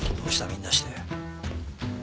みんなして。